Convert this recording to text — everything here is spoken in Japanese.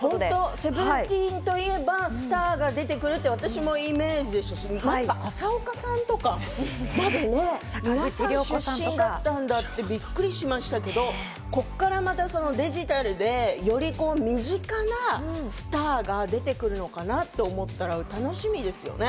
『Ｓｅｖｅｎｔｅｅｎ』といえば、スターが出てくるというイメージで麻丘さんとか出身だったんだってびっくりしましたけど、ここからまたデジタルで、より身近なスターが出てくるのかなと思ったら楽しみですよね。